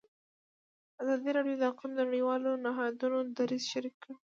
ازادي راډیو د اقلیم د نړیوالو نهادونو دریځ شریک کړی.